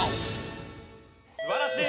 素晴らしい！